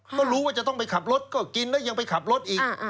ก็รู้ว่าจะต้องไปขับรถก็กินแล้วยังไปขับรถอีก